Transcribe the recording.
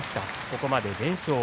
ここまで連勝。